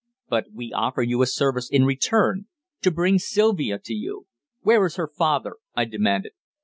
"But we offer you a service in return to bring Sylvia to you." "Where is her father?" I demanded.